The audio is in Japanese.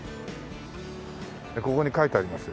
ここに書いてあります